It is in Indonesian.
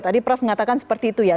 tadi prof mengatakan seperti itu ya